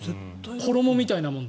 衣みたいなもので。